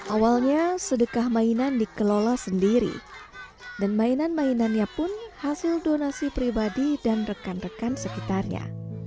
awalnya sedekah mainan dikelola sendiri dan mainan mainannya pun hasil donasi pribadi dan rekan rekan sekitarnya